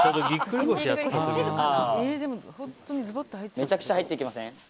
めちゃくちゃ入っていきません？